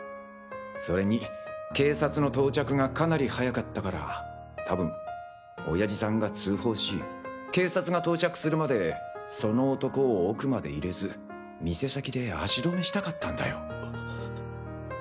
それに警察の到着がかなり早かったから多分親父さんが通報し警察が到着するまでその男を奥まで入れず店先で足止めしたかったんだよ。